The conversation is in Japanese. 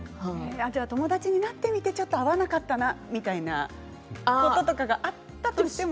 友達になってみてちょっと合わなかったなみたいなこととかがあったとしても？